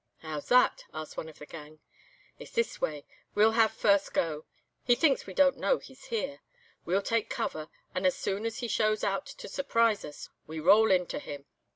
"'How's that?' asked one of the gang. "'It's this way, we'll have first go. He thinks we don't know he's here. We'll take cover, and as soon as he shows out to surprise us, we roll into him.